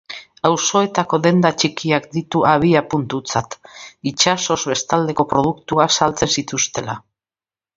Auzoetako denda txikiak ditu abiapuntutzat, itsasoz bestaldeko produktuak saltzen zituztela.